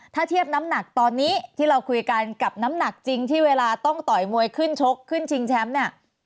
ถ้าเทียบน้ำหนักตอนนี้ที่เราคุยกันกับน้ำหนักจริงที่เวลาต้องต่อยมวยขึ้นชกขึ้นชิงแชมป์เนี่ย